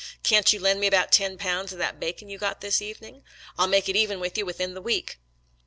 Can't you lend me about ten pounds of that bacon you got this evening.? I'll make it even with you within the week."